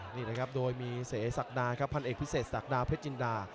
นี่นะครับโดยมีเสศักดาครับพันเอกพิเศษศักดาเพชรจินดา